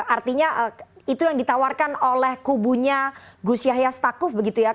artinya itu yang ditawarkan oleh kubunya gus yahya stakuf begitu ya